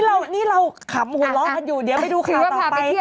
นี่เราขำหัวเราะกันอยู่เดี๋ยวไปดูข่าวต่อไป